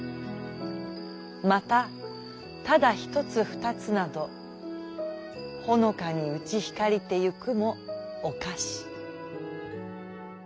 またただ一つ二つなどほのかにうち光りて行くもをかし。